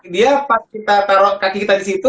dia pas kita taruh kaki kita disitu